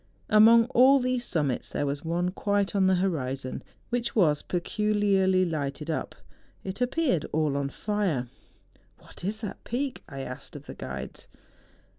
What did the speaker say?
Among all these summits there was one quite on the horizon, which was peculiarly lighted up ; it appeared all on fire. ' What is that peak ?' I asked of the guides.